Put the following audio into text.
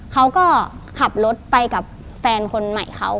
เขาก็ขับรถไปกับแฟนคนใหม่เขา